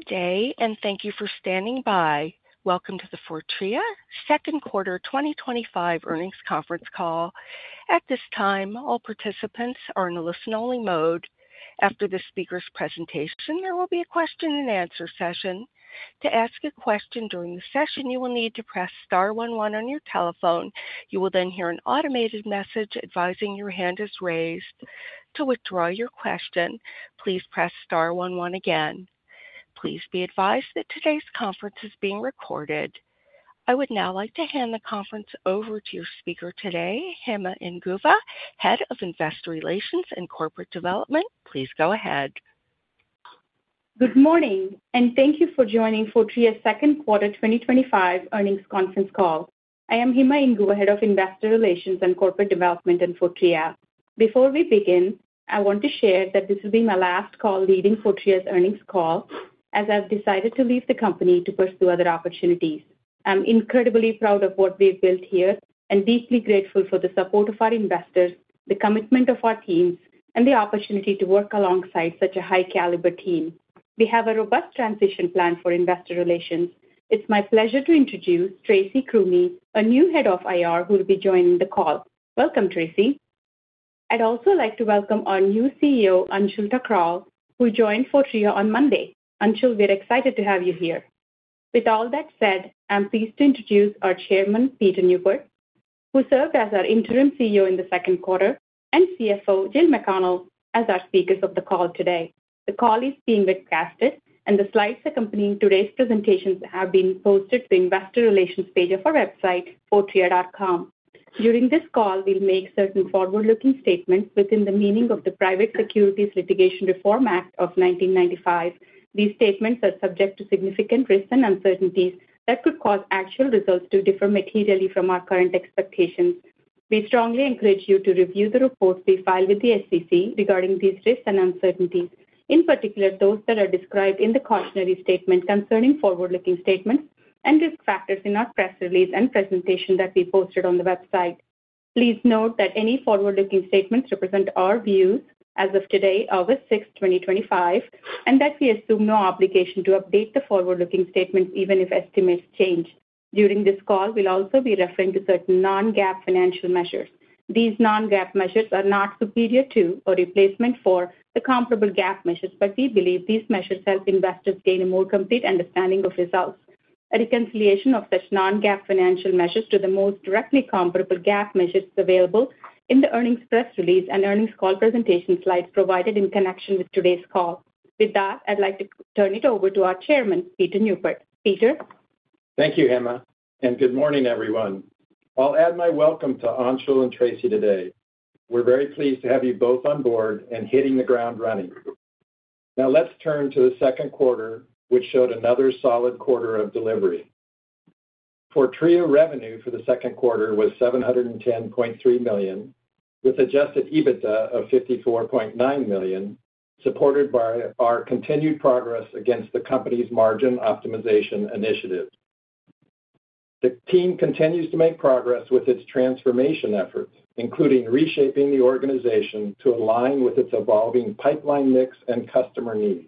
Good day, and thank you for standing by. Welcome to the Fortrea Holdings Inc. Second Quarter 2025 Earnings Conference Call. At this time, all participants are in a listen-only mode. After the speaker's presentation, there will be a question and answer session. To ask a question during the session, you will need to press *11 on your telephone. You will then hear an automated message advising your hand is raised. To withdraw your question, please press *11 again. Please be advised that today's conference is being recorded. I would now like to hand the conference over to your speaker today, Hima Inguva, Head of Investor Relations and Corporate Development. Please go ahead. Good morning, and thank you for joining Fortrea's Second Quarter 2025 earnings Conference Call. I am Hima Inguva, Head of Investor Relations and Corporate Development in Fortrea. Before we begin, I want to share that this will be my last call leading Fortrea's earnings call, as I've decided to leave the company to pursue other opportunities. I'm incredibly proud of what we've built here and deeply grateful for the support of our investors, the commitment of our teams, and the opportunity to work alongside such a high-caliber team. We have a robust transition plan for investor relations. It's my pleasure to introduce Tracy Krumi, a new Head of IR, who will be joining the call. Welcome, Tracy. I'd also like to welcome our new CEO, Anshul Thakral, who joined Fortrea on Monday. Anshul, we're excited to have you here. With all that said, I'm pleased to introduce our Chairman, Peter Neupert, who served as our Interim CEO in the Second Quarter, and CFO, Jill McConnell, as our speakers of the call today. The call is being webcast, and the slides accompanying today's presentations have been posted to the Investor Relations page of our website, fortrea.com. During this call, we'll make certain forward-looking statements within the meaning of the Private Securities Litigation Reform Act of 1995. These statements are subject to significant risks and uncertainties that could cause actual results to differ materially from our current expectations. We strongly encourage you to review the reports we file with the SEC regarding these risks and uncertainties, in particular those that are described in the cautionary statement concerning forward-looking statements and risk factors in our press release and presentation that we posted on the website. Please note that any forward-looking statements represent our views as of today, August 6, 2025, and that we assume no obligation to update the forward-looking statements, even if estimates change. During this call, we'll also be referring to certain non-GAAP financial measures. These non-GAAP measures are not superior to or replacement for the comparable GAAP measures, but we believe these measures help investors gain a more complete understanding of results. A reconciliation of such non-GAAP financial measures to the most directly comparable GAAP measures is available in the earnings press release and earnings call presentation slide provided in connection with today's call. With that, I'd like to turn it over to our Chairman, Peter Neupert. Peter. Thank you, Hima, and good morning, everyone. I'll add my welcome to Anshul and Tracy today. We're very pleased to have you both on board and hitting the ground running. Now, let's turn to the Second Quarter, which showed another solid quarter of delivery. Fortrea revenue for the Second Quarter was $710.3 million, with an adjusted EBITDA of $54.9 million, supported by our continued progress against the company's margin optimization initiative. The team continues to make progress with its transformation efforts, including reshaping the organization to align with its evolving pipeline mix and customer needs.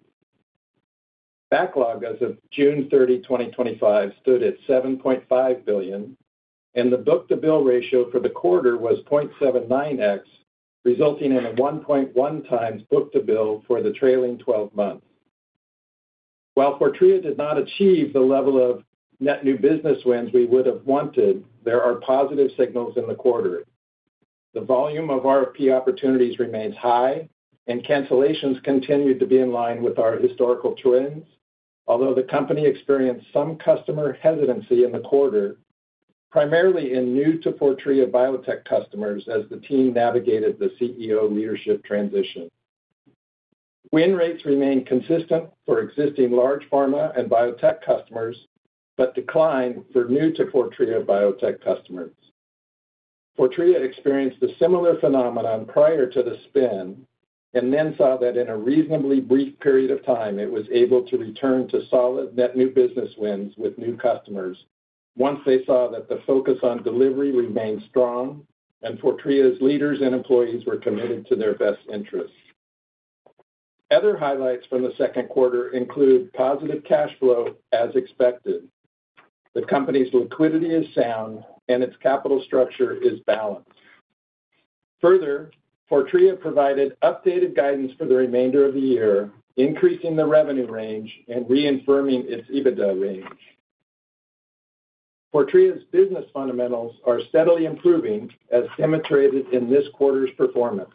Backlog as of June 30, 2025, stood at $7.5 billion, and the book-to-bill ratio for the quarter was 0.79x, resulting in a 1.1x book-to-bill for the trailing twelve months. While Fortrea did not achieve the level of net new business wins we would have wanted, there are positive signals in the quarter. The volume of RFP opportunities remains high, and cancellations continue to be in line with our historical trends, although the company experienced some customer hesitancy in the quarter, primarily in new to Fortrea biotech customers as the team navigated the CEO leadership transition. Win rates remained consistent for existing large pharma and biotech customers, but declined for new to Fortrea biotech customers. Fortrea experienced a similar phenomenon prior to the spin and then saw that in a reasonably brief period of time it was able to return to solid net new business wins with new customers once they saw that the focus on delivery remained strong and Fortrea's leaders and employees were committed to their best interests. Other highlights from the Second Quarter include positive cash flow as expected. The company's liquidity is sound, and its capital structure is balanced. Further, Fortrea provided updated guidance for the remainder of the year, increasing the revenue range and reaffirming its EBITDA range. Fortrea's business fundamentals are steadily improving as demonstrated in this quarter's performance.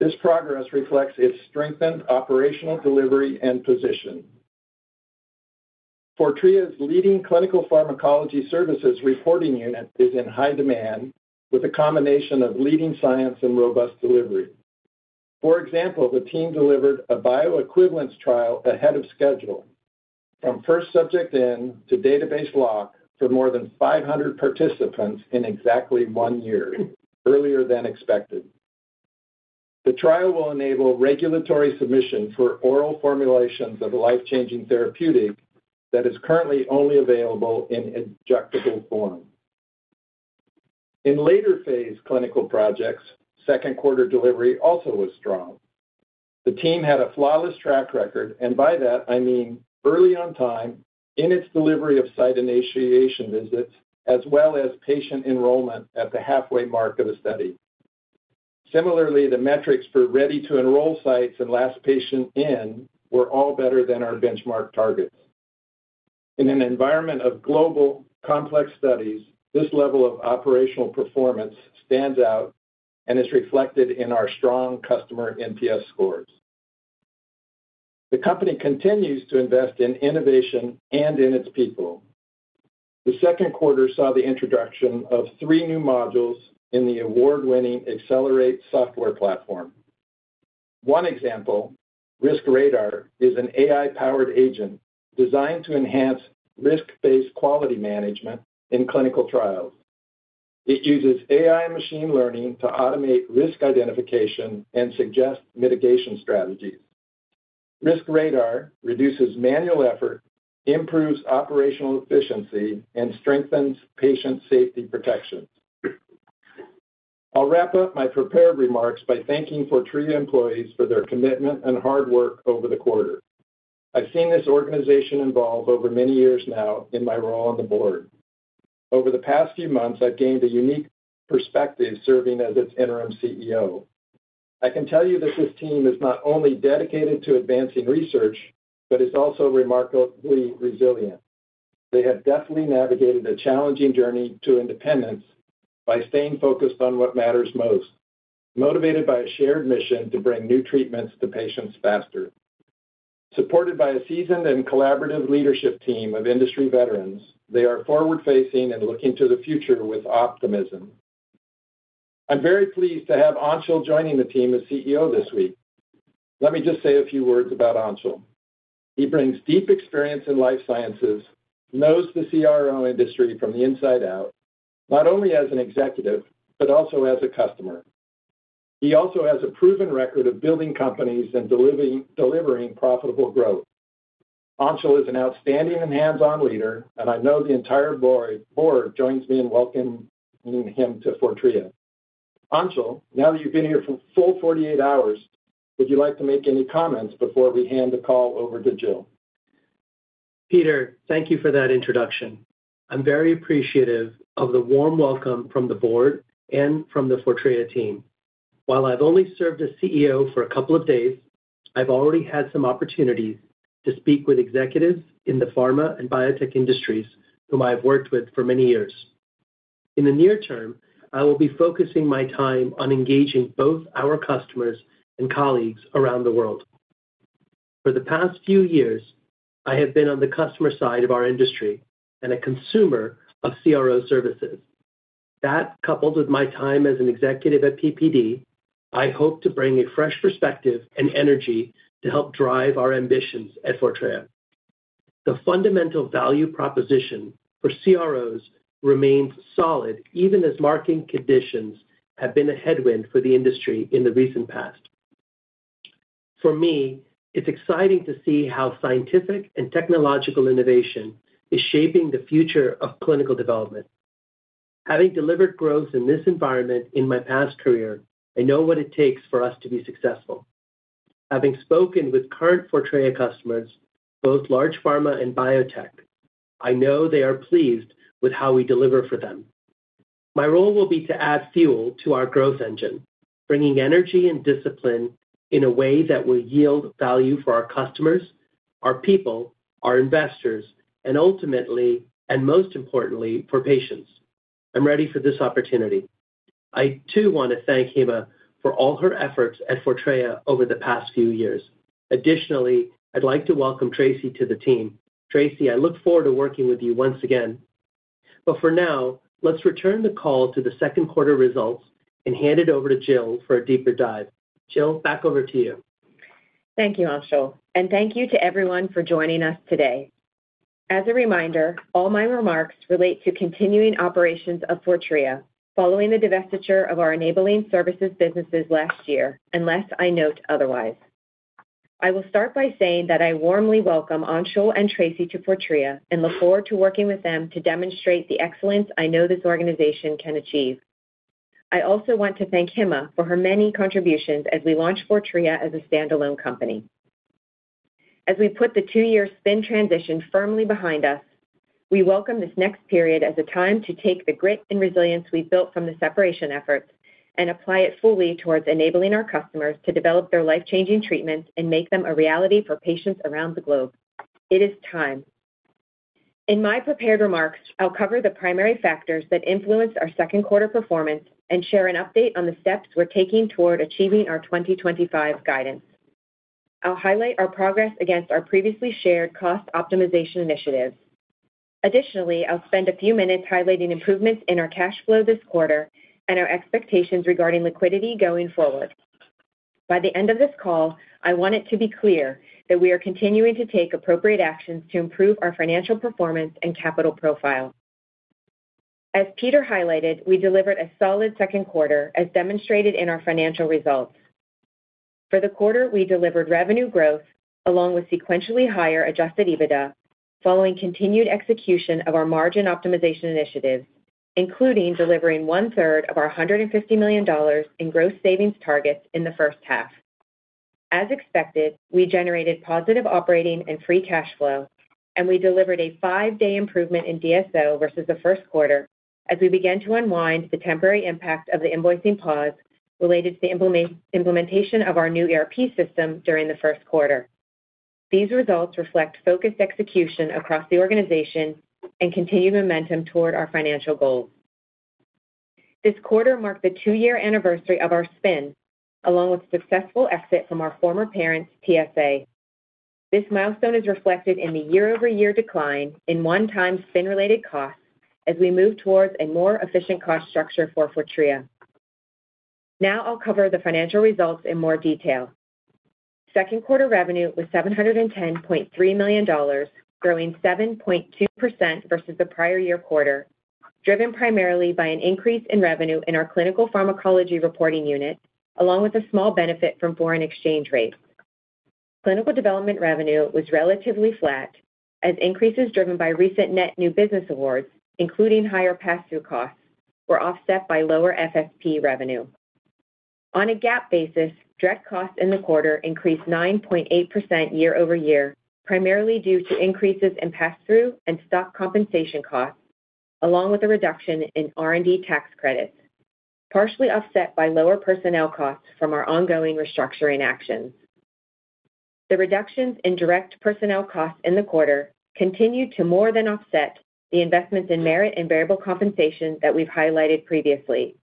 This progress reflects its strengthened operational delivery and position. Fortrea's leading clinical pharmacology services reporting unit is in high demand with a combination of leading science and robust delivery. For example, the team delivered a bioequivalence trial ahead of schedule, from first subject in to database lock for more than 500 participants in exactly one year, earlier than expected. The trial will enable regulatory submission for oral formulations of a life-changing therapeutic that is currently only available in injectable form. In later phase clinical projects, Second Quarter delivery also was strong. The team had a flawless track record, and by that I mean early on time in its delivery of site initiation visits as well as patient enrollment at the halfway mark of the study. Similarly, the metrics for ready-to-enroll sites and last patient in were all better than our benchmark targets. In an environment of global complex studies, this level of operational performance stands out and is reflected in our strong customer NPS scores. The company continues to invest in innovation and in its people. The Second Quarter saw the introduction of three new modules in the award-winning Accelerate Software platform. One example, RiskRadar, is an AI-powered agent designed to enhance risk-based quality management in clinical trials. It uses AI machine learning to automate risk identification and suggest mitigation strategies. RiskRadar reduces manual effort, improves operational efficiency, and strengthens patient safety protection. I'll wrap up my prepared remarks by thanking Fortrea employees for their commitment and hard work over the quarter. I've seen this organization evolve over many years now in my role on the board. Over the past few months, I've gained a unique perspective serving as its Interim CEO. I can tell you that this team is not only dedicated to advancing research, but it's also remarkably resilient. They have definitely navigated a challenging journey to independence by staying focused on what matters most, motivated by a shared mission to bring new treatments to patients faster. Supported by a seasoned and collaborative leadership team of industry veterans, they are forward-facing and looking to the future with optimism. I'm very pleased to have Anshul joining the team as CEO this week. Let me just say a few words about Anshul. He brings deep experience in life sciences, knows the CRO industry from the inside out, not only as an executive but also as a customer. He also has a proven record of building companies and delivering profitable growth. Anshul is an outstanding and hands-on leader, and I know the entire board joins me in welcoming him to Fortrea. Anshul, now that you've been here for a full 48 hours, would you like to make any comments before we hand the call over to Jill. Peter, thank you for that introduction. I'm very appreciative of the warm welcome from the Board and from the Fortrea team. While I've only served as CEO for a couple of days, I've already had some opportunities to speak with executives in the pharma and biotech industries whom I have worked with for many years. In the near term, I will be focusing my time on engaging both our customers and colleagues around the world. For the past few years, I have been on the customer side of our industry and a consumer of CRO services. That, coupled with my time as an executive at PPD, I hope to bring a fresh perspective and energy to help drive our ambitions at Fortrea. The fundamental value proposition for CROs remains solid, even as market conditions have been a headwind for the industry in the recent past. For me, it's exciting to see how scientific and technological innovation is shaping the future of clinical development. Having delivered growth in this environment in my past career, I know what it takes for us to be successful. Having spoken with current Fortrea customers, both large pharma and biotech, I know they are pleased with how we deliver for them. My role will be to add fuel to our growth engine, bringing energy and discipline in a way that will yield value for our customers, our people, our investors, and ultimately, and most importantly, for patients. I'm ready for this opportunity. I too want to thank Hima for all her efforts at Fortrea over the past few years. Additionally, I'd like to welcome Tracy to the team. Tracy, I look forward to working with you once again. For now, let's return the call to the Second Quarter results and hand it over to Jill for a deeper dive. Jill, back over to you. Thank you, Anshul, and thank you to everyone for joining us today. As a reminder, all my remarks relate to continuing operations of Fortrea following the divestiture of our enabling services businesses last year, unless I note otherwise. I will start by saying that I warmly welcome Anshul and Tracy to Fortrea and look forward to working with them to demonstrate the excellence I know this organization can achieve. I also want to thank Hima for her many contributions as we launch Fortrea as a standalone company. As we put the two-year spin transition firmly behind us, we welcome this next period as a time to take the grit and resilience we've built from the separation efforts and apply it fully towards enabling our customers to develop their life-changing treatments and make them a reality for patients around the globe. It is time. In my prepared remarks, I'll cover the primary factors that influenced our Second Quarter performance and share an update on the steps we're taking toward achieving our 2025 guidance. I'll highlight our progress against our previously shared cost optimization initiatives. Additionally, I'll spend a few minutes highlighting improvements in our cash flow this quarter and our expectations regarding liquidity going forward. By the end of this call, I want it to be clear that we are continuing to take appropriate actions to improve our financial performance and capital profile. As Peter highlighted, we delivered a solid Second Quarter, as demonstrated in our financial results. For the quarter, we delivered revenue growth along with sequentially higher adjusted EBITDA following continued execution of our margin optimization initiatives, including delivering one-third of our $150 million in gross savings targets in the first half. As expected, we generated positive operating and free cash flow, and we delivered a five-day improvement in DSO versus the first quarter as we began to unwind the temporary impact of the invoicing pause related to the implementation of our new ERP system during the first quarter. These results reflect focused execution across the organization and continued momentum toward our financial goals. This quarter marked the two-year anniversary of our spin, along with the successful exit from our former parents, TSA. This milestone is reflected in the year-over-year decline in one-time spin-related costs as we move towards a more efficient cost structure for Fortrea. Now, I'll cover the financial results in more detail. Second Quarter revenue was $710.3 million, growing 7.2% versus the prior year quarter, driven primarily by an increase in revenue in our clinical pharmacology reporting unit, along with a small benefit from foreign exchange rates. Clinical development revenue was relatively flat, as increases driven by recent net new business awards, including higher pass-through costs, were offset by lower FSP revenue. On a GAAP basis, direct costs in the quarter increased 9.8% year-over-year, primarily due to increases in pass-through and stock compensation costs, along with a reduction in R&D tax credits, partially offset by lower personnel costs from our ongoing restructuring actions. The reductions in direct personnel costs in the quarter continue to more than offset the investments in merit and variable compensation that we've highlighted previously.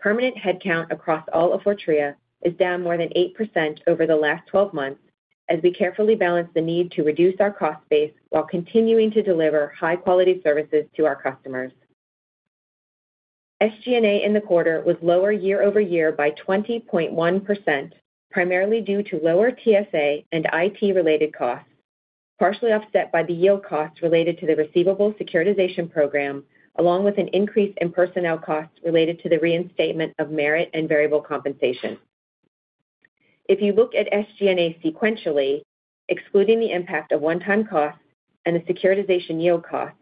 Permanent headcount across all of Fortrea is down more than 8% over the last 12 months, as we carefully balance the need to reduce our cost base while continuing to deliver high-quality services to our customers. SG&A in the quarter was lower year-over-year by 20.1%, primarily due to lower TSA and IT-related costs, partially offset by the yield costs related to the receivable securitization program, along with an increase in personnel costs related to the reinstatement of merit and variable compensation. If you look at SG&A sequentially, excluding the impact of one-time costs and the securitization yield costs,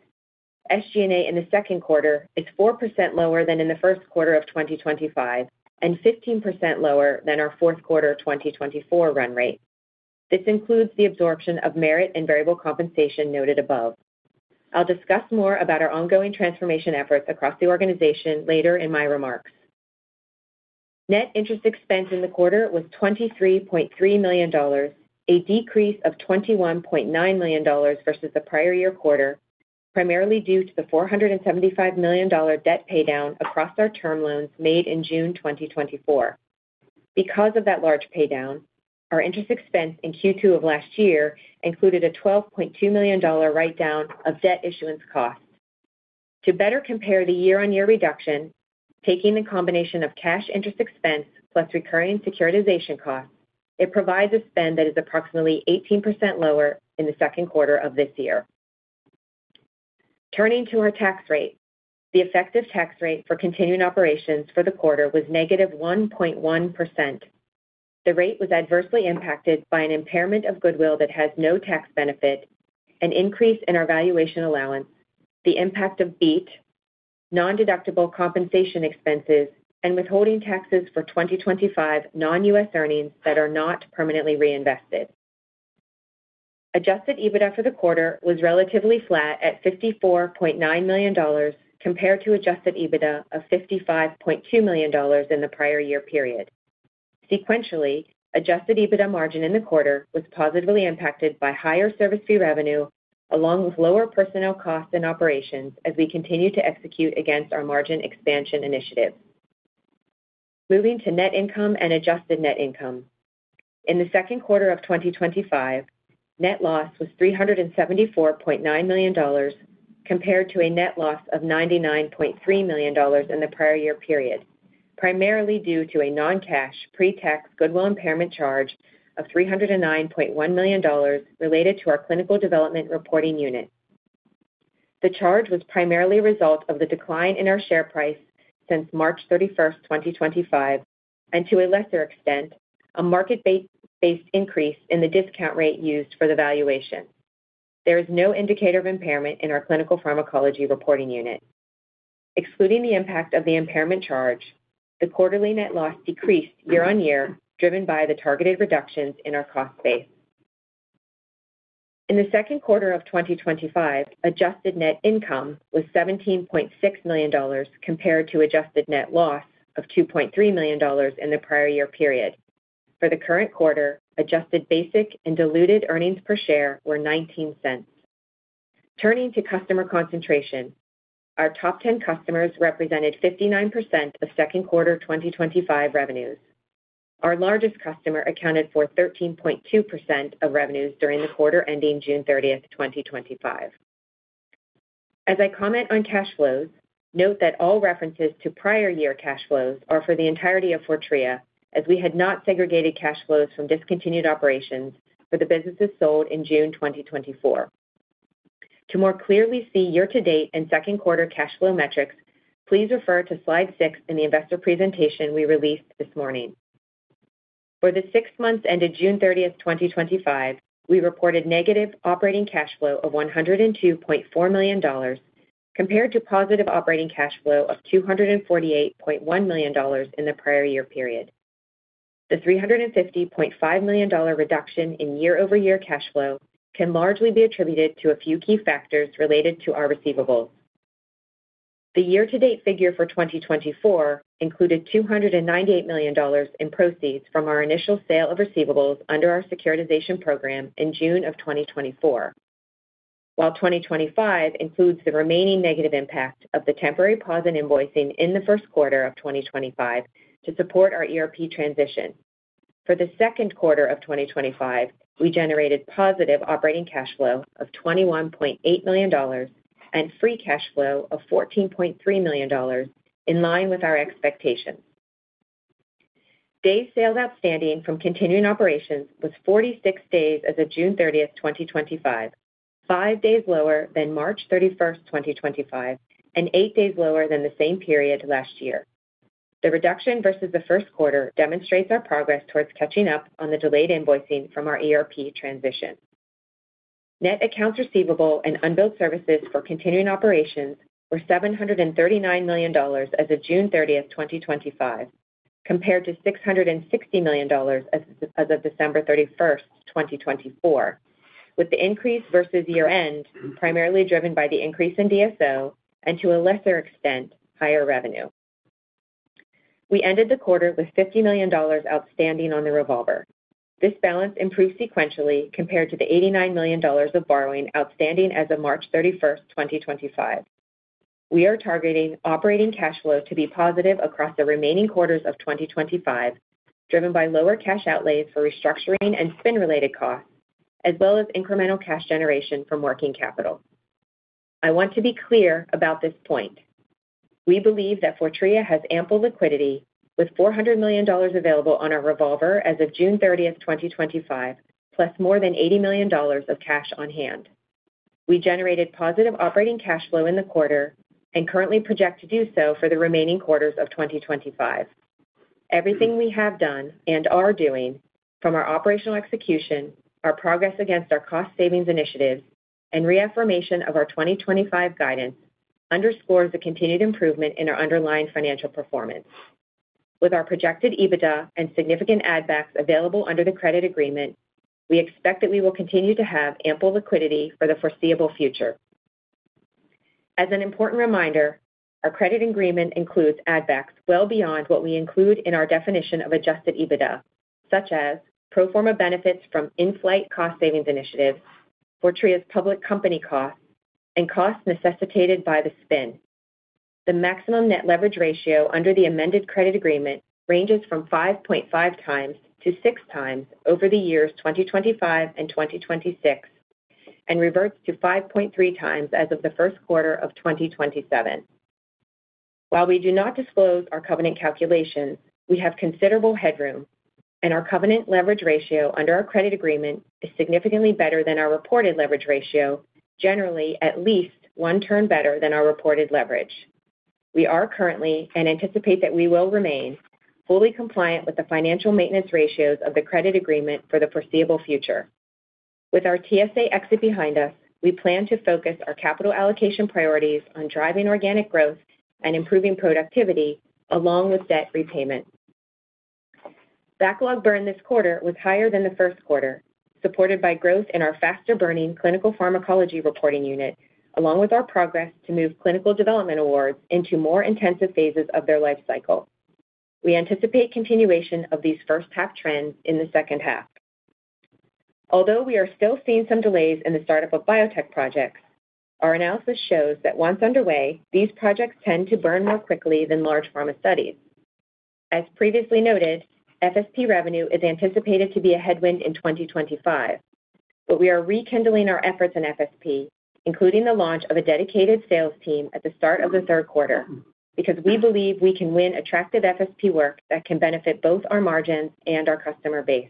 SG&A in the Second Quarter is 4% lower than in the first quarter of 2025 and 15% lower than our fourth quarter 2024 run rate. This includes the absorption of merit and variable compensation noted above. I'll discuss more about our ongoing transformation efforts across the organization later in my remarks. Net interest expense in the quarter was $23.3 million, a decrease of $21.9 million versus the prior year quarter, primarily due to the $475 million debt paydown across our term loans made in June 2024. Because of that large paydown, our interest expense in Q2 of last year included a $12.2 million write-down of debt issuance costs. To better compare the year-on-year reduction, taking the combination of cash interest expense plus recurring securitization costs, it provides a spend that is approximately 18% lower in the Second Quarter of this year. Turning to our tax rate, the effective tax rate for continuing operations for the quarter was negative 1.1%. The rate was adversely impacted by an impairment of goodwill that has no tax benefit, an increase in our valuation allowance, the impact of BEAT, non-deductible compensation expenses, and withholding taxes for 2025 non-U.S. earnings that are not permanently reinvested. Adjusted EBITDA for the quarter was relatively flat at $54.9 million compared to adjusted EBITDA of $55.2 million in the prior year period. Sequentially, adjusted EBITDA margin in the quarter was positively impacted by higher service fee revenue, along with lower personnel costs and operations as we continue to execute against our margin expansion initiative. Moving to net income and adjusted net income. In the Second Quarter of 2025, net loss was $374.9 million compared to a net loss of $99.3 million in the prior year period, primarily due to a non-cash pre-tax goodwill impairment charge of $309.1 million related to our clinical development reporting unit. The charge was primarily a result of the decline in our share price since March 31, 2025, and to a lesser extent, a market-based increase in the discount rate used for the valuation. There is no indicator of impairment in our clinical pharmacology reporting unit. Excluding the impact of the impairment charge, the quarterly net loss decreased year-on-year, driven by the targeted reductions in our cost base. In the Second Quarter of 2025, adjusted net income was $17.6 million compared to adjusted net loss of $2.3 million in the prior year period. For the current quarter, adjusted basic and diluted earnings per share were $0.19. Turning to customer concentration, our top 10 customers represented 59% of Second Quarter 2025 revenues. Our largest customer accounted for 13.2% of revenues during the quarter ending June 30, 2025. As I comment on cash flows, note that all references to prior year cash flows are for the entirety of Fortrea, as we had not segregated cash flows from discontinued operations for the businesses sold in June 2024. To more clearly see year-to-date and Second Quarter cash flow metrics, please refer to slide six in the investor presentation we released this morning. For the six months ended June 30, 2025, we reported negative operating cash flow of $102.4 million compared to positive operating cash flow of $248.1 million in the prior year period. The $350.5 million reduction in year-over-year cash flow can largely be attributed to a few key factors related to our receivables. The year-to-date figure for 2024 included $298 million in proceeds from our initial sale of receivables under our securitization program in June of 2024, while 2025 includes the remaining negative impact of the temporary pause in invoicing in the first quarter of 2025 to support our ERP transition. For the Second Quarter of 2025, we generated positive operating cash flow of $21.8 million and free cash flow of $14.3 million, in line with our expectations. Days sales outstanding from continuing operations was 46 days as of June 30, 2025, five days lower than March 31, 2025, and eight days lower than the same period last year. The reduction versus the first quarter demonstrates our progress towards catching up on the delayed invoicing from our ERP transition. Net accounts receivable and unbilled services for continuing operations were $739 million as of June 30, 2025, compared to $660 million as of December 31, 2024, with the increase versus year-end primarily driven by the increase in DSO and to a lesser extent, higher revenue. We ended the quarter with $50 million outstanding on the revolver. This balance improved sequentially compared to the $89 million of borrowing outstanding as of March 31, 2025. We are targeting operating cash flow to be positive across the remaining quarters of 2025, driven by lower cash outlays for restructuring and spin-related costs, as well as incremental cash generation from working capital. I want to be clear about this point. We believe that Fortrea has ample liquidity, with $400 million available on our revolver as of June 30, 2025, plus more than $80 million of cash on hand. We generated positive operating cash flow in the quarter and currently project to do so for the remaining quarters of 2025. Everything we have done and are doing, from our operational execution, our progress against our cost savings initiative, and reaffirmation of our 2025 guidance, underscores the continued improvement in our underlying financial performance. With our projected EBITDA and significant add-backs available under the credit agreement, we expect that we will continue to have ample liquidity for the foreseeable future. As an important reminder, our credit agreement includes add-backs well beyond what we include in our definition of adjusted EBITDA, such as pro forma benefits from in-flight cost savings initiatives, Fortrea's public company costs, and costs necessitated by the spin. The maximum net leverage ratio under the amended credit agreement ranges from 5.5 times to six times over the years 2025 and 2026, and reverts to 5.3 times as of the first quarter of 2027. While we do not disclose our covenant calculations, we have considerable headroom, and our covenant leverage ratio under our credit agreement is significantly better than our reported leverage ratio, generally at least one turn better than our reported leverage. We are currently and anticipate that we will remain fully compliant with the financial maintenance ratios of the credit agreement for the foreseeable future. With our TSA exit behind us, we plan to focus our capital allocation priorities on driving organic growth and improving productivity, along with debt repayment. Backlog burn this quarter was higher than the first quarter, supported by growth in our faster-burning clinical pharmacology reporting unit, along with our progress to move clinical development awards into more intensive phases of their life cycle. We anticipate continuation of these first-half trends in the second half. Although we are still seeing some delays in the startup of biotech projects, our analysis shows that once underway, these projects tend to burn more quickly than large pharma studies. As previously noted, FSP revenue is anticipated to be a headwind in 2025, but we are rekindling our efforts in FSP, including the launch of a dedicated sales team at the start of the third quarter, because we believe we can win attractive FSP work that can benefit both our margins and our customer base.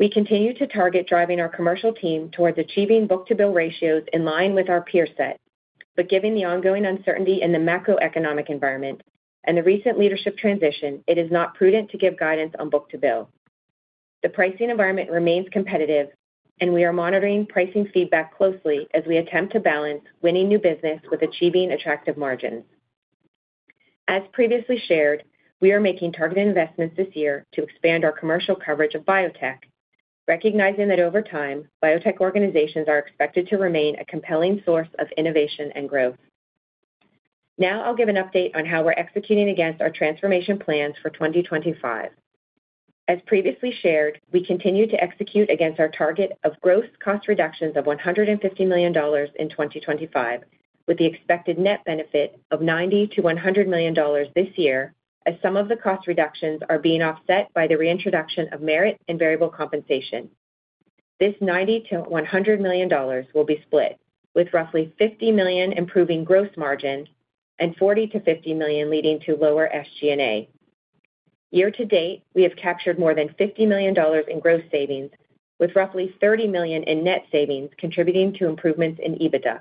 We continue to target driving our commercial team towards achieving book-to-bill ratios in line with our peer set, but given the ongoing uncertainty in the macroeconomic environment and the recent leadership transition, it is not prudent to give guidance on book-to-bill. The pricing environment remains competitive, and we are monitoring pricing feedback closely as we attempt to balance winning new business with achieving attractive margins. As previously shared, we are making targeted investments this year to expand our commercial coverage of biotech, recognizing that over time, biotech organizations are expected to remain a compelling source of innovation and growth. Now, I'll give an update on how we're executing against our transformation plans for 2025. As previously shared, we continue to execute against our target of gross cost reductions of $150 million in 2025, with the expected net benefit of $90 to $100 million this year, as some of the cost reductions are being offset by the reintroduction of merit and variable compensation. This $90 to $100 million will be split, with roughly $50 million improving gross margins and $40 to $50 million leading to lower SG&A. Year to date, we have captured more than $50 million in gross savings, with roughly $30 million in net savings contributing to improvements in EBITDA.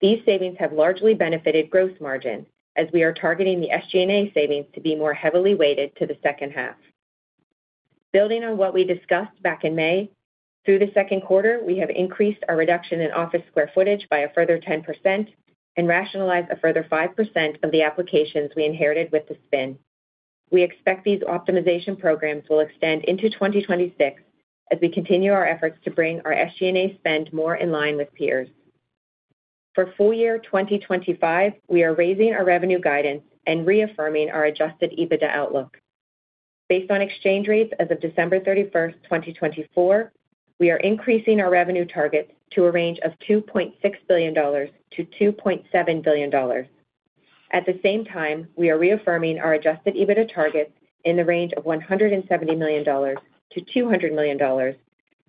These savings have largely benefited gross margin, as we are targeting the SG&A savings to be more heavily weighted to the second half. Building on what we discussed back in May, through the Second Quarter, we have increased our reduction in office square footage by a further 10% and rationalized a further 5% of the applications we inherited with the spin. We expect these optimization programs will extend into 2026 as we continue our efforts to bring our SG&A spend more in line with peers. For full year 2025, we are raising our revenue guidance and reaffirming our adjusted EBITDA outlook. Based on exchange rates as of December 31, 2024, we are increasing our revenue targets to a range of $2.6 billion to $2.7 billion. At the same time, we are reaffirming our adjusted EBITDA targets in the range of $170 million to $200 million,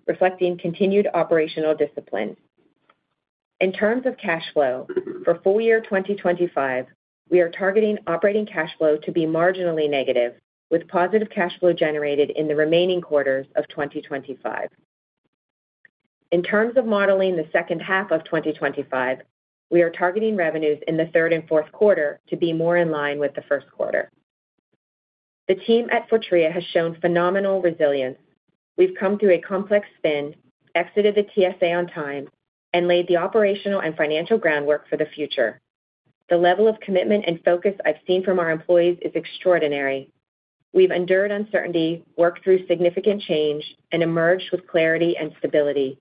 reflecting continued operational discipline. In terms of cash flow, for full year 2025, we are targeting operating cash flow to be marginally negative, with positive cash flow generated in the remaining quarters of 2025. In terms of modeling the second half of 2025, we are targeting revenues in the third and fourth quarter to be more in line with the first quarter. The team at Fortrea has shown phenomenal resilience. We've come through a complex spin, exited the TSA on time, and laid the operational and financial groundwork for the future. The level of commitment and focus I've seen from our employees is extraordinary. We've endured uncertainty, worked through significant change, and emerged with clarity and stability.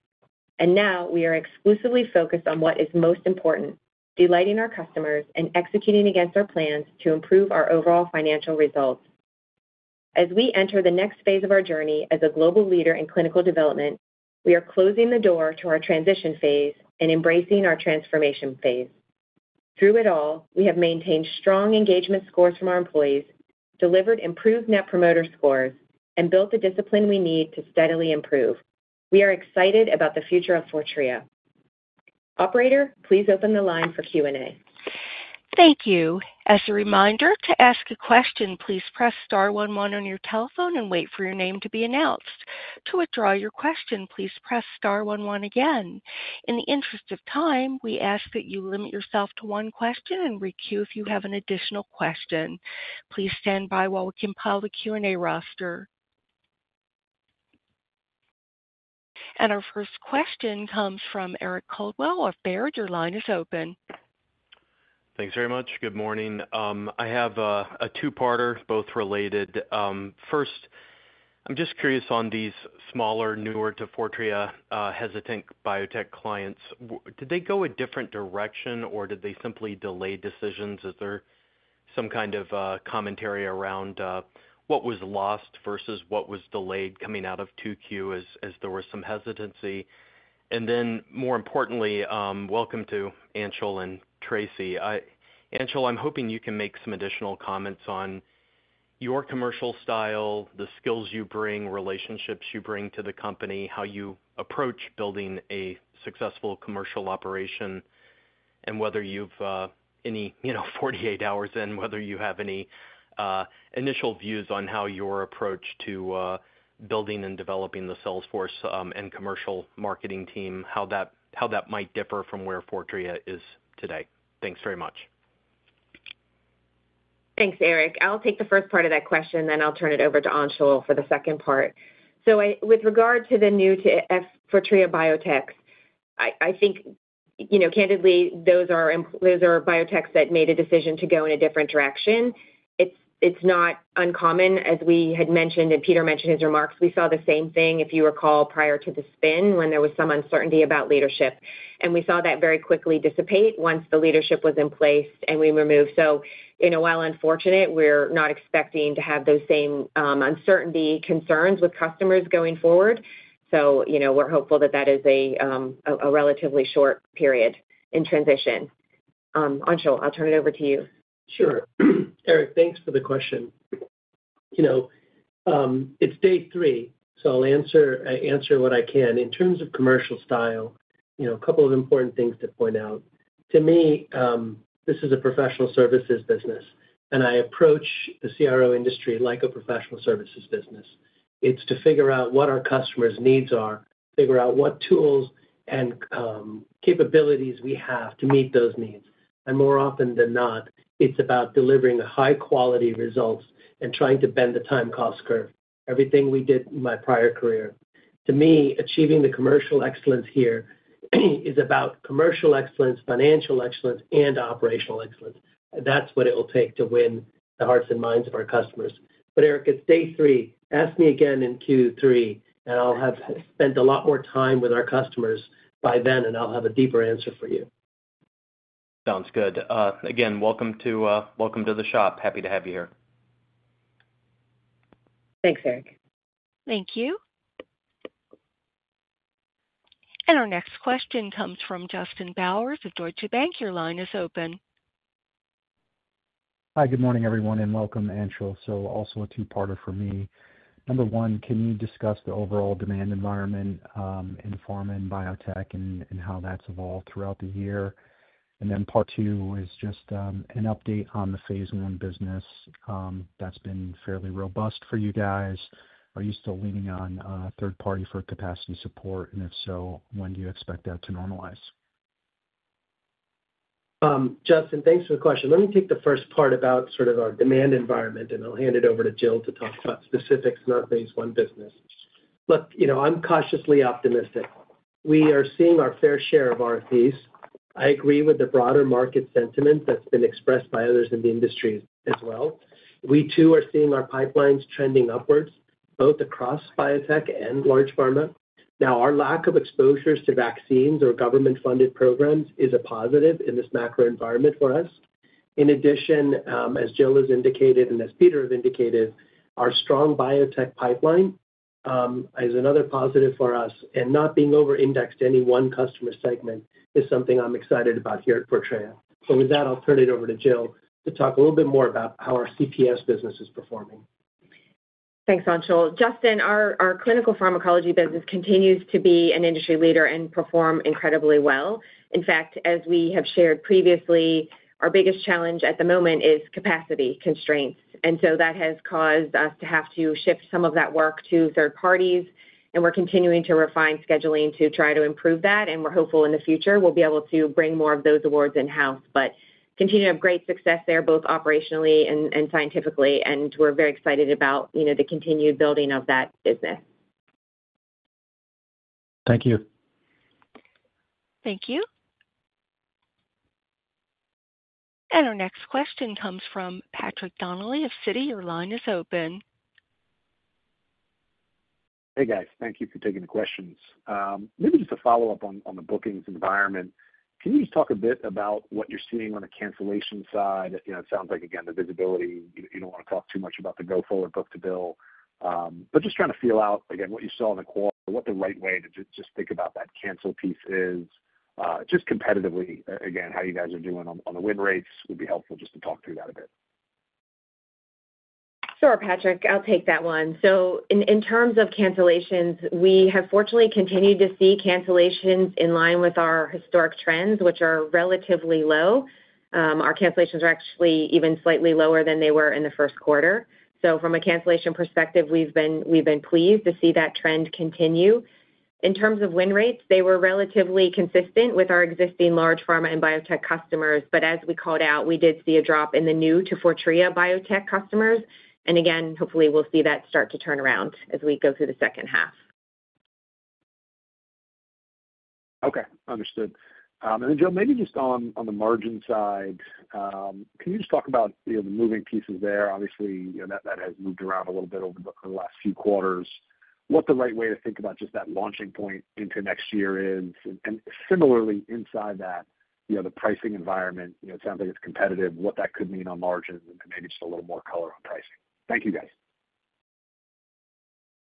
We are exclusively focused on what is most important: delighting our customers and executing against our plans to improve our overall financial results. As we enter the next phase of our journey as a global leader in clinical development, we are closing the door to our transition phase and embracing our transformation phase. Through it all, we have maintained strong engagement scores from our employees, delivered improved net promoter scores, and built the discipline we need to steadily improve. We are excited about the future of Fortrea. Operator, please open the line for Q&A. Thank you. As a reminder, to ask a question, please press *11 on your telephone and wait for your name to be announced. To withdraw your question, please press *11 again. In the interest of time, we ask that you limit yourself to one question and re-queue if you have an additional question. Please stand by while we compile the Q&A roster. Our first question comes from Eric Coldwell of Baird. Your line is open. Thanks very much. Good morning. I have a two-parter, both related. First, I'm just curious on these smaller, newer to Fortrea hesitant biotech clients. Did they go a different direction or did they simply delay decisions? Is there some kind of commentary around what was lost versus what was delayed coming out of 2Q as there was some hesitancy? More importantly, welcome to Anshul and Tracy. Anshul, I'm hoping you can make some additional comments on your commercial style, the skills you bring, relationships you bring to the company, how you approach building a successful commercial operation, and whether you've any, you know, 48 hours in, whether you have any initial views on how your approach to building and developing the sales force and commercial marketing team, how that might differ from where Fortrea is today. Thanks very much. Thanks, Eric. I'll take the first part of that question, and then I'll turn it over to Anshul for the second part. With regard to the new to Fortrea biotechs, I think, candidly, those are biotechs that made a decision to go in a different direction. It's not uncommon, as we had mentioned and Peter mentioned in his remarks. We saw the same thing, if you recall, prior to the spin when there was some uncertainty about leadership. We saw that very quickly dissipate once the leadership was in place and we were moved. While unfortunate, we're not expecting to have those same uncertainty concerns with customers going forward. We're hopeful that that is a relatively short period in transition. Anshul, I'll turn it over to you. Sure. Eric, thanks for the question. You know, it's day three, so I'll answer what I can. In terms of commercial style, a couple of important things to point out. To me, this is a professional services business, and I approach the CRO industry like a professional services business. It's to figure out what our customers' needs are, figure out what tools and capabilities we have to meet those needs. More often than not, it's about delivering the high-quality results and trying to bend the time-cost curve, everything we did in my prior career. To me, achieving the commercial excellence here is about commercial excellence, financial excellence, and operational excellence. That's what it will take to win the hearts and minds of our customers. Eric, it's day three. Ask me again in Q3, and I'll have spent a lot more time with our customers by then, and I'll have a deeper answer for you. Sounds good. Again, welcome to the shop. Happy to have you here. Thanks, Eric. Thank you. Our next question comes from Justin Bowers of Deutsche Bank. Your line is open. Hi, good morning everyone, and welcome, Anshul. A two-parter for me. Number one, can you discuss the overall demand environment in pharma and biotech and how that's evolved throughout the year? Part two is just an update on the phase one business that's been fairly robust for you guys. Are you still leaning on third-party for capacity support? If so, when do you expect that to normalize? Justin, thanks for the question. Let me take the first part about sort of our demand environment, and I'll hand it over to Jill to talk about specifics in our phase one business. Look, you know, I'm cautiously optimistic. We are seeing our fair share of RFPs. I agree with the broader market sentiment that's been expressed by others in the industry as well. We too are seeing our pipelines trending upwards, both across biotech and large pharma. Now, our lack of exposures to vaccines or government-funded programs is a positive in this macro environment for us. In addition, as Jill has indicated and as Peter have indicated, our strong biotech pipeline is another positive for us, and not being over-indexed to any one customer segment is something I'm excited about here at Fortrea. With that, I'll turn it over to Jill to talk a little bit more about how our CTS business is performing. Thanks, Anshul. Justin, our clinical pharmacology business continues to be an industry leader and perform incredibly well. In fact, as we have shared previously, our biggest challenge at the moment is capacity constraints. That has caused us to have to shift some of that work to third parties, and we're continuing to refine scheduling to try to improve that. We're hopeful in the future we'll be able to bring more of those awards in-house, but continue to have great success there, both operationally and scientifically. We're very excited about the continued building of that business. Thank you. Thank you. Our next question comes from Patrick Donnelly of Citi. Your line is open. Hey guys, thank you for taking the questions. Maybe just a follow-up on the bookings environment. Can you just talk a bit about what you're seeing on the cancellation side? It sounds like, again, the visibility, you don't want to talk too much about the go-forward book-to-bill, but just trying to feel out, again, what you saw in the quarter, what the right way to just think about that cancel piece is. Competitively, again, how you guys are doing on the win rates would be helpful just to talk through that a bit. Patrick, I'll take that one. In terms of cancellations, we have fortunately continued to see cancellations in line with our historic trends, which are relatively low. Our cancellations are actually even slightly lower than they were in the first quarter. From a cancellation perspective, we've been pleased to see that trend continue. In terms of win rates, they were relatively consistent with our existing large pharma and biotech customers, but as we called out, we did see a drop in the new to Fortrea biotech customers. Hopefully we'll see that start to turn around as we go through the second half. Okay, understood. Jill, maybe just on the margin side, can you talk about the moving pieces there? Obviously, that has moved around a little bit over the last few quarters. What is the right way to think about just that launching point into next year, and similarly inside that, you know, the pricing environment? It sounds like it's competitive, what that could mean on margins, and maybe just a little more color on pricing. Thank you guys.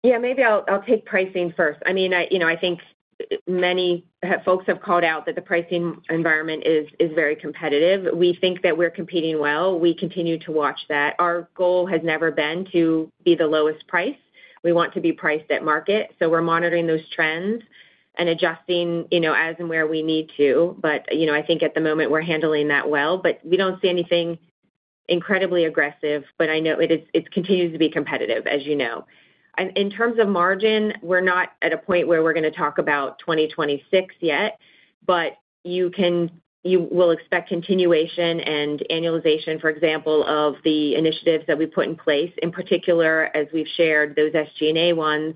Yeah, maybe I'll take pricing first. I mean, I think many folks have called out that the pricing environment is very competitive. We think that we're competing well. We continue to watch that. Our goal has never been to be the lowest price. We want to be priced at market. We're monitoring those trends and adjusting as and where we need to. I think at the moment we're handling that well, we don't see anything incredibly aggressive, but I know it continues to be competitive, as you know. In terms of margin, we're not at a point where we're going to talk about 2026 yet, but you will expect continuation and annualization, for example, of the initiatives that we put in place, in particular, as we've shared, those SG&A ones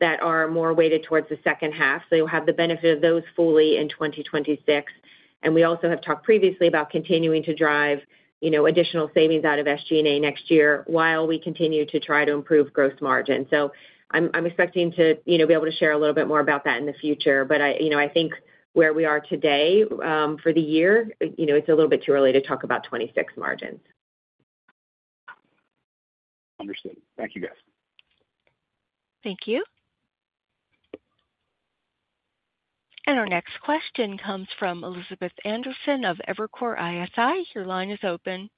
that are more weighted towards the second half. You'll have the benefit of those fully in 2026. We also have talked previously about continuing to drive additional savings out of SG&A next year while we continue to try to improve gross margins. I'm expecting to be able to share a little bit more about that in the future. I think where we are today for the year, it's a little bit too early to talk about 2026 margins. Understood. Thank you, guys. Thank you. Our next question comes from Elizabeth Anderson of Evercore ISI. Your line is open.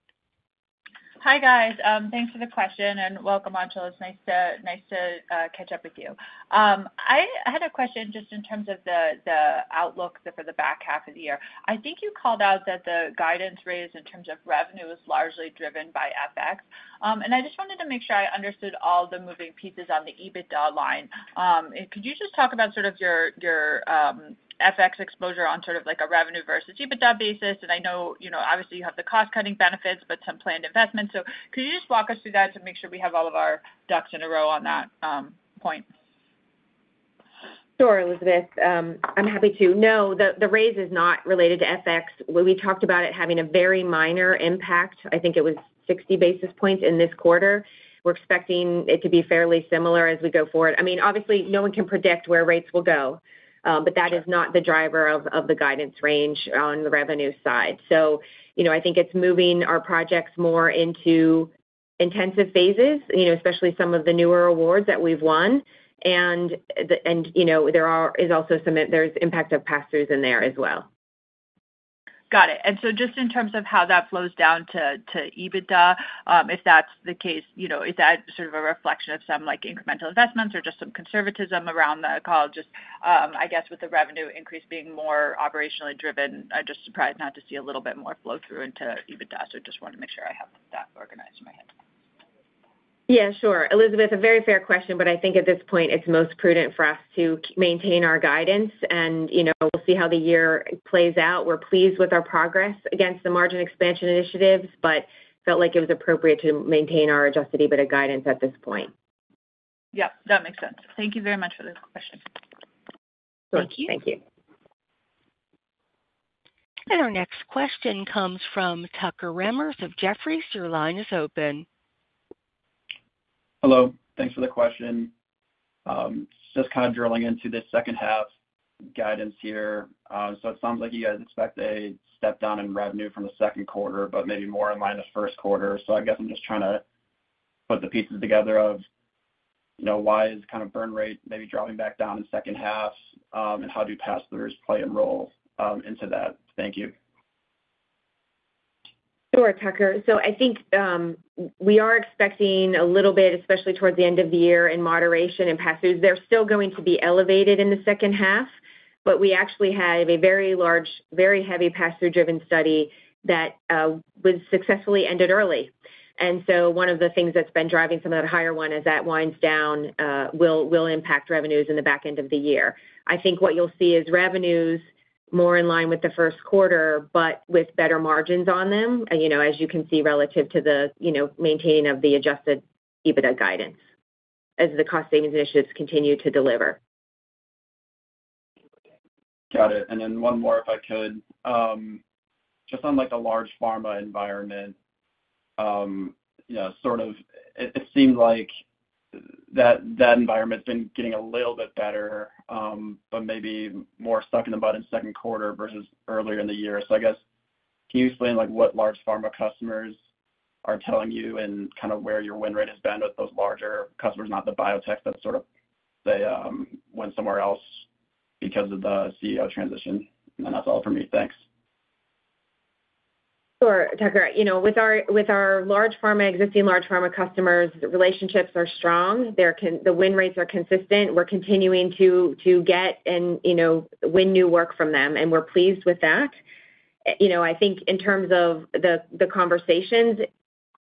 Hi guys, thanks for the question and welcome, Anshul. It's nice to catch up with you. I had a question just in terms of the outlook for the back half of the year. I think you called out that the guidance raised in terms of revenue is largely driven by FX. I just wanted to make sure I understood all the moving pieces on the EBITDA line. Could you talk about your FX exposure on a revenue versus EBITDA basis? I know you have the cost-cutting benefits, but some planned investments. Could you walk us through that to make sure we have all of our ducks in a row on that point? Sure, Elizabeth. I'm happy to. No, the raise is not related to FX. We talked about it having a very minor impact. I think it was 60 basis points in this quarter. We're expecting it to be fairly similar as we go forward. Obviously, no one can predict where rates will go, but that is not the driver of the guidance range on the revenue side. I think it's moving our projects more into intensive phases, especially some of the newer awards that we've won. There are also some, there's impact of pass-throughs in there as well. Got it. Just in terms of how that flows down to adjusted EBITDA, if that's the case, is that sort of a reflection of some incremental investments or just some conservatism around the call? With the revenue increase being more operationally driven, I'm just surprised not to see a little bit more flow through into adjusted EBITDA. I just wanted to make sure I have that organized in my head. Yeah, sure. Elizabeth, a very fair question, I think at this point it's most prudent for us to maintain our guidance. You know, we'll see how the year plays out. We're pleased with our progress against the margin expansion initiatives, but felt like it was appropriate to maintain our adjusted EBITDA guidance at this point. Yep, that makes sense. Thank you very much for the question. Thank you. Thank you. Our next question comes from Tucker Remmers of Jefferies. Your line is open. Hello, thanks for the question. Just kind of drilling into this second-half guidance here. It sounds like you guys expect a step-down in revenue from the Second Quarter, but maybe more in line with this first quarter. I guess I'm just trying to put the pieces together of, you know, why is kind of burn rate maybe dropping back down in the second half and how do pass-throughs play a role into that? Thank you. Sure, Tucker. I think we are expecting a little bit, especially towards the end of the year, in moderation in pass-throughs. They're still going to be elevated in the second half, but we actually have a very large, very heavy pass-through-driven study that was successfully ended early. One of the things that's been driving some of that higher one, as that winds down, will impact revenues in the back end of the year. I think what you'll see is revenues more in line with the first quarter, but with better margins on them, as you can see relative to the maintaining of the adjusted EBITDA guidance as the cost-savings initiatives continue to deliver. Got it. One more, if I could, just on a large pharma environment. It seemed like that environment's been getting a little bit better, but maybe more stuck in the mud in the Second Quarter versus earlier in the year. I guess, can you explain what large pharma customers are telling you and where your win rate has been with those larger customers, not the biotechs that went somewhere else because of the CEO transition? That's all for me. Thanks. Sure, Tucker. With our large pharma, existing large pharma customers, relationships are strong. The win rates are consistent. We're continuing to get and win new work from them, and we're pleased with that. I think in terms of the conversations,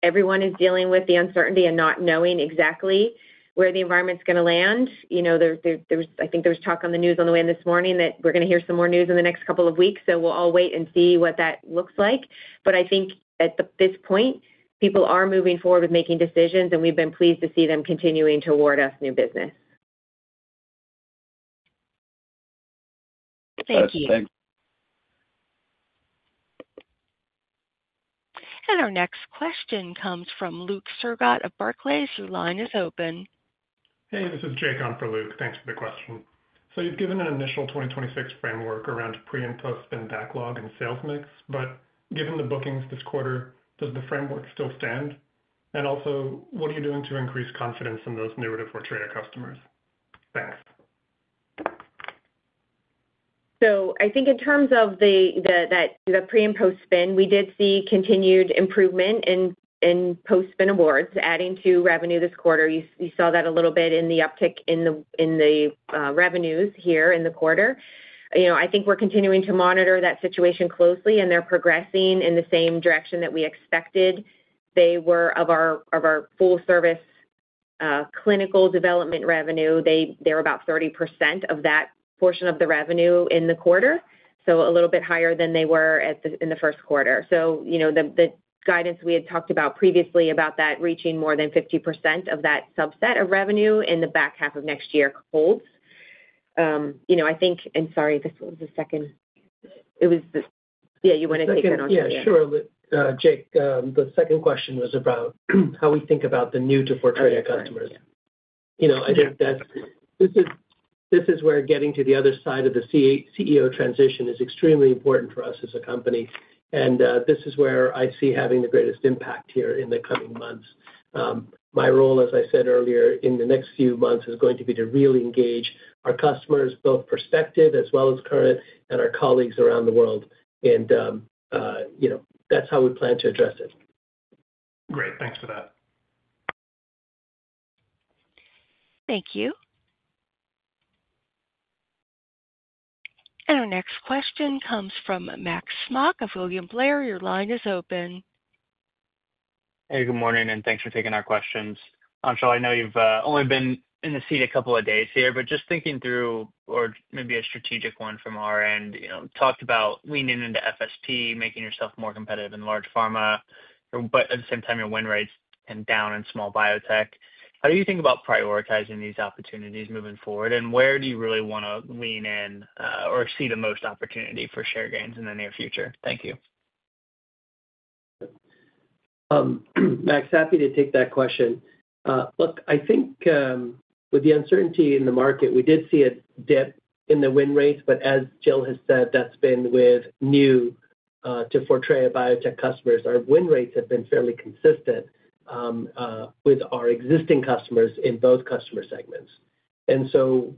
everyone is dealing with the uncertainty and not knowing exactly where the environment's going to land. I think there was talk on the news on the way in this morning that we're going to hear some more news in the next couple of weeks. We'll all wait and see what that looks like. At this point, people are moving forward with making decisions, and we've been pleased to see them continuing to award us new business. Thank you. Thanks. Our next question comes from Luke Sergott of Barclays. Your line is open. Hey, this is Drake on for Luke. Thanks for the question. You've given an initial 2026 framework around pre and post-spin backlog and sales mix, but given the bookings this quarter, does the framework still stand? What are you doing to increase confidence from those newer to Fortrea customers? Thanks. I think in terms of the pre and post-spin, we did see continued improvement in post-spin awards, adding to revenue this quarter. You saw that a little bit in the uptick in the revenues here in the quarter. I think we're continuing to monitor that situation closely, and they're progressing in the same direction that we expected. They were of our full-service clinical development revenue. They're about 30% of that portion of the revenue in the quarter, so a little bit higher than they were in the first quarter. The guidance we had talked about previously about that reaching more than 50% of that subset of revenue in the back half of next year holds. I think, and sorry, this was the second. It was the, yeah, you want to take that, Anshul? Yeah, sure. Drake, the second question was about how we think about the new to Fortrea. Oh, yeah, go ahead. I think that this is where getting to the other side of the CEO transition is extremely important for us as a company, and this is where I see having the greatest impact here in the coming months. My role, as I said earlier, in the next few months is going to be to really engage our customers, both prospective as well as current, and our colleagues around the world. That's how we plan to address it. Great, thanks for that. Thank you. Our next question comes from Max Smock of William Blair. Your line is open. Hey, good morning, and thanks for taking our questions. Anshul, I know you've only been in the seat a couple of days here, but just thinking through, or maybe a strategic one from our end, you know, talked about leaning into FSP, making yourself more competitive in large pharma, but at the same time, your win rates are down in small biotech. How do you think about prioritizing these opportunities moving forward, and where do you really want to lean in or see the most opportunity for share gains in the near future? Thank you. Max, happy to take that question. Look, I think with the uncertainty in the market, we did see a dip in the win rates, but as Jill has said, that's been with new to Fortrea biotech customers. Our win rates have been fairly consistent with our existing customers in both customer segments.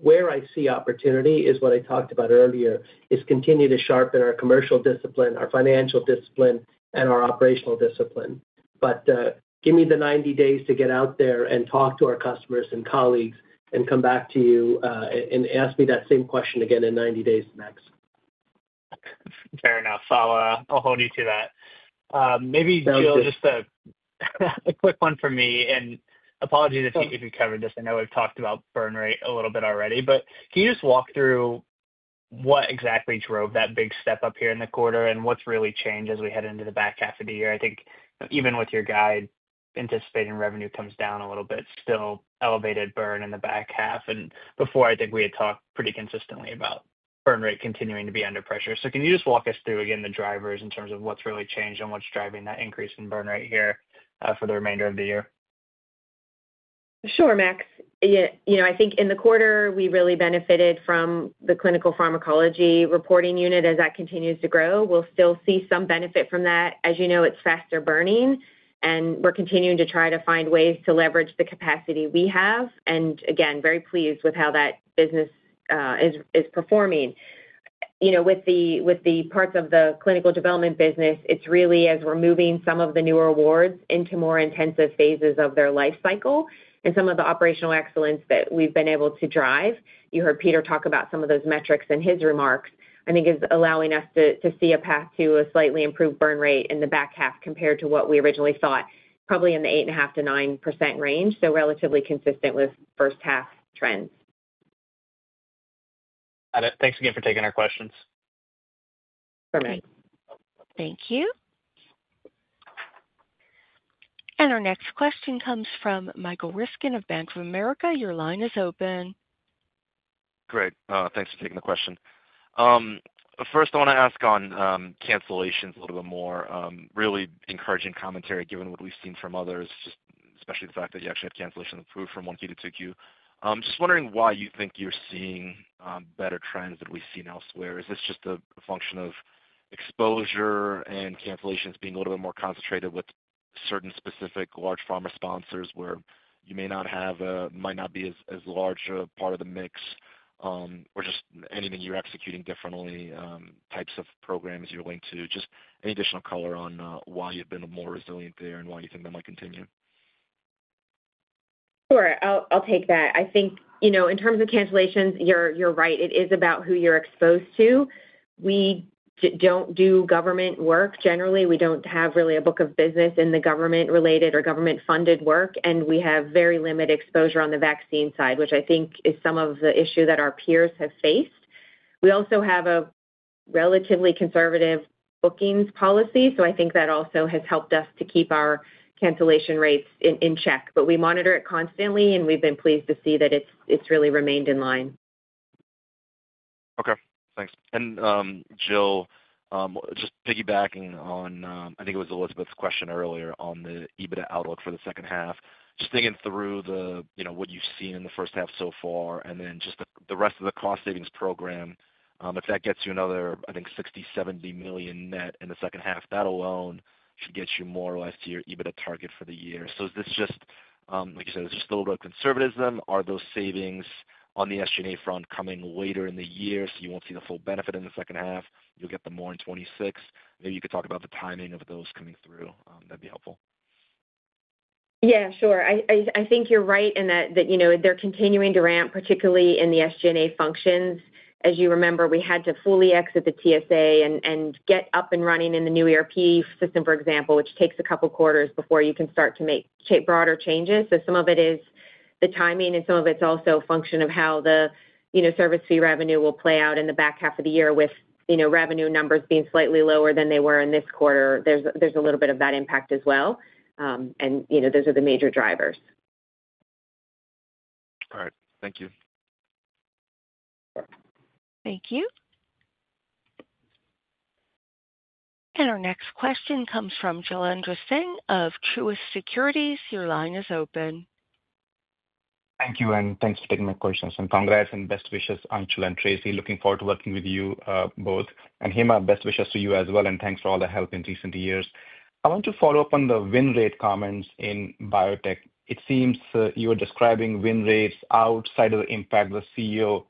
Where I see opportunity is what I talked about earlier, is continue to sharpen our commercial discipline, our financial discipline, and our operational discipline. Give me the 90 days to get out there and talk to our customers and colleagues and come back to you and ask me that same question again in 90 days, Max. Fair enough. I'll hold you to that. Maybe, Jill, just a quick one from me, and apologies if you covered this. I know we've talked about burn rate a little bit already, but can you just walk through what exactly drove that big step up here in the quarter and what's really changed as we head into the back half of the year? I think even with your guide, anticipating revenue comes down a little bit, still elevated burn in the back half. Before, I think we had talked pretty consistently about burn rate continuing to be under pressure. Can you just walk us through again the drivers in terms of what's really changed and what's driving that increase in burn rate here for the remainder of the year? Sure, Max. I think in the quarter, we really benefited from the clinical pharmacology reporting unit as that continues to grow. We'll still see some benefit from that. As you know, it's faster burning, and we're continuing to try to find ways to leverage the capacity we have. Again, very pleased with how that business is performing. With the parts of the clinical development business, it's really as we're moving some of the newer awards into more intensive phases of their life cycle and some of the operational excellence that we've been able to drive. You heard Peter talk about some of those metrics in his remarks. I think it's allowing us to see a path to a slightly improved burn rate in the back half compared to what we originally thought, probably in the 8.5% to 9% range, so relatively consistent with first half trends. Thanks again for taking our questions. My Pleasure. Thank you. Our next question comes from Michael Ryskin of Bank of America. Your line is open. Great. Thanks for taking the question. First, I want to ask on cancellations a little bit more. Really encouraging commentary given what we've seen from others, especially the fact that you actually have cancellations improved from 1Q to 2Q. Just wondering why you think you're seeing better trends than we've seen elsewhere. Is this just a function of exposure and cancellations being a little bit more concentrated with certain specific large pharma sponsors where you may not be as large a part of the mix, or just anything you're executing differently, types of programs you're going to? Just any additional color on why you've been more resilient there and why you think that might continue. Sure, I'll take that. I think, you know, in terms of cancellations, you're right. It is about who you're exposed to. We don't do government work generally. We don't have really a book of business in the government-related or government-funded work, and we have very limited exposure on the vaccine side, which I think is some of the issue that our peers have faced. We also have a relatively conservative bookings policy. I think that also has helped us to keep our cancellation rates in check. We monitor it constantly, and we've been pleased to see that it's really remained in line. Okay, thanks. Jill, just piggybacking on, I think it was Elizabeth's question earlier on the EBITDA outlook for the second half. Just thinking through what you've seen in the first half so far, and then the rest of the cost savings program, if that gets you another $60 million, $70 million net in the second half, that alone gets you more or less to your EBITDA target for the year. Is this just, like you said, still a little bit of conservatism? Are those savings on the SG&A front coming later in the year so you won't see the full benefit in the second half? You'll get them more in 2026? Maybe you could talk about the timing of those coming through. That'd be helpful. Yeah, sure. I think you're right in that they're continuing to ramp, particularly in the SG&A functions. As you remember, we had to fully exit the TSA and get up and running in the new ERP system, for example, which takes a couple quarters before you can start to make broader changes. Some of it is the timing and some of it's also a function of how the service fee revenue will play out in the back half of the year with revenue numbers being slightly lower than they were in this quarter. There's a little bit of that impact as well. Those are the major drivers. All right, thank you. Thank you. Our next question comes from Jill Anderson of Truist Securities. Your line is open. Thank you, and thanks for taking my questions. Congrats and best wishes, Anshul and Tracy. Looking forward to working with you both. Hima, best wishes to you as well, and thanks for all the help in recent years. I want to follow up on the win rate comments in biotech. It seems you were describing win rates outside of the impact of the CEO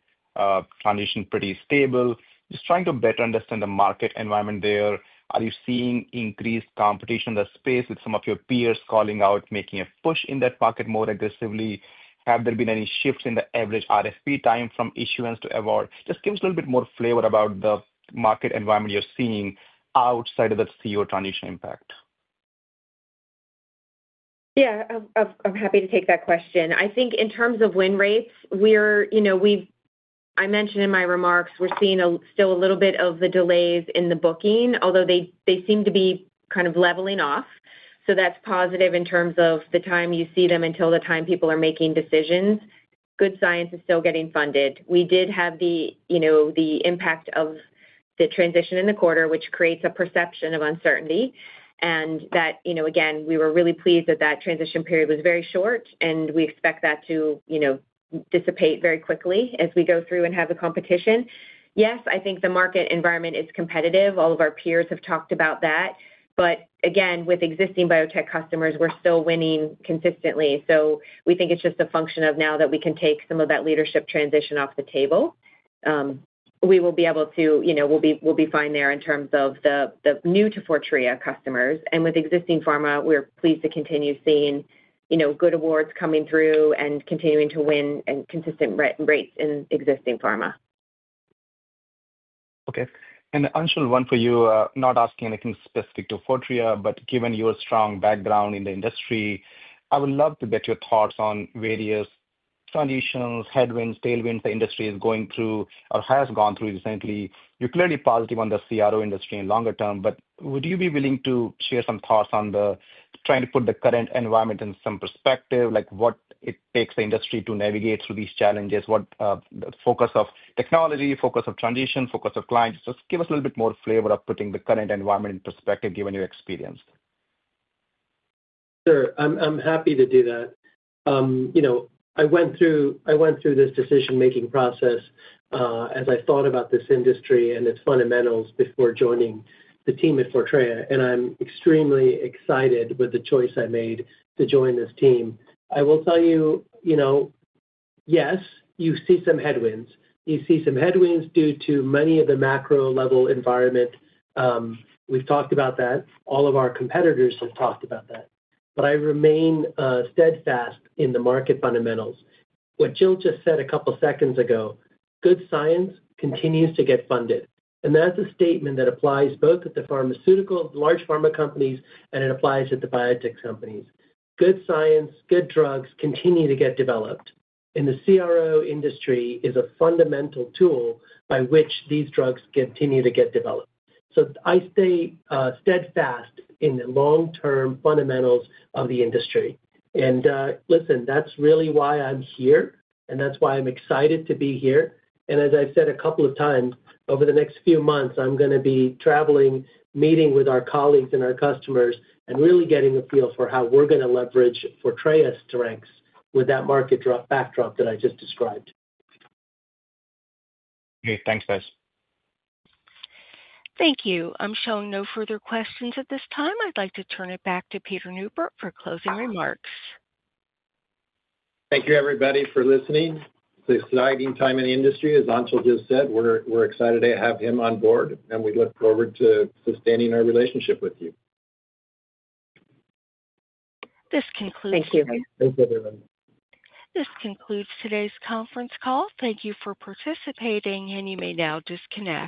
foundation as pretty stable. Just trying to better understand the market environment there. Are you seeing increased competition in the space with some of your peers calling out, making a push in that market more aggressively? Have there been any shifts in the average RFP time from issuance to award? Just give us a little bit more flavor about the market environment you're seeing outside of the CEO foundation impact. Yeah, I'm happy to take that question. I think in terms of win rates, I mentioned in my remarks, we're seeing still a little bit of the delays in the booking, although they seem to be kind of leveling off. That's positive in terms of the time you see them until the time people are making decisions. Good science is still getting funded. We did have the impact of the transition in the quarter, which creates a perception of uncertainty. We were really pleased that that transition period was very short, and we expect that to dissipate very quickly as we go through and have the competition. I think the market environment is competitive. All of our peers have talked about that. With existing biotech customers, we're still winning consistently. We think it's just a function of now that we can take some of that leadership transition off the table. We will be able to, we'll be fine there in terms of the new to Fortrea customers. With existing pharma, we're pleased to continue seeing good awards coming through and continuing to win and consistent rates in existing pharma. Okay. Anshul, one for you, not asking anything specific to Fortrea, but given your strong background in the industry, I would love to get your thoughts on various foundations, headwinds, tailwinds the industry is going through or has gone through recently. You're clearly positive on the CRO industry in longer term, but would you be willing to share some thoughts on trying to put the current environment in some perspective, like what it takes the industry to navigate through these challenges, what the focus of technology, focus of transition, focus of clients. Just give us a little bit more flavor of putting the current environment in perspective, given your experience. Sure, I'm happy to do that. I went through this decision-making process as I thought about this industry and its fundamentals before joining the team at Fortrea, and I'm extremely excited with the choice I made to join this team. I will tell you, yes, you see some headwinds. You see some headwinds due to many of the macro-level environment. We've talked about that. All of our competitors have talked about that. I remain steadfast in the market fundamentals. What Jill just said a couple seconds ago, good science continues to get funded. That's a statement that applies both at the pharmaceutical, large pharma companies, and it applies at the biotech companies. Good science, good drugs continue to get developed. The CRO industry is a fundamental tool by which these drugs continue to get developed. I stay steadfast in the long-term fundamentals of the industry. That's really why I'm here, and that's why I'm excited to be here. As I've said a couple of times, over the next few months, I'm going to be traveling, meeting with our colleagues and our customers, and really getting a feel for how we're going to leverage Fortrea's strengths with that market backdrop that I just described. Great, thanks, guys. Thank you. I'm showing no further questions at this time. I'd like to turn it back to Peter Neupert for closing remarks. Thank you, everybody, for listening. It's an exciting time in the industry, as Anshul Thakral just said. We're excited to have him on board, and we look forward to sustaining our relationship with you. This concludes. Thank you. Thank you, everyone. This concludes today's conference call. Thank you for participating, and you may now disconnect.